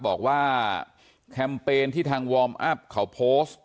บอกว่าแคมเปญที่ทางวอร์มอัพเขาโพสต์